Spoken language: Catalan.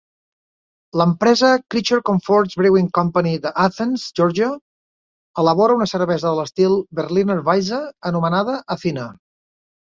L'empresa Creature Comforts Brewing Company d'Athens, Georgia, elabora una cervesa de l'estil Berliner Weisse anomenada Athena.